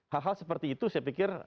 hal hal seperti itu saya pikir